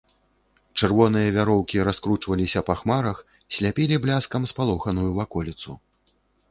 Чырвоныя вяроўкі раскручваліся па хмарах, сляпілі бляскам спалоханую ваколіцу.